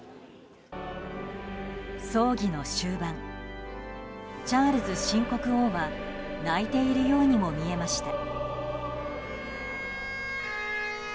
葬儀の終盤チャールズ新国王は泣いているようにも見えました。